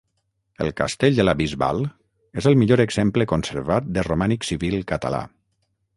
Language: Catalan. El castell de la Bisbal és el millor exemple conservat de romànic civil català.